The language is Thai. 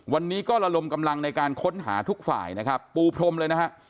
วันนี้ก็ระดมกำลังในการค้นหาทุกฝ่ายนะครับปูพรมเลยนะฮะ